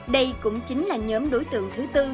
đây cũng chính là nhóm đối tượng thứ tư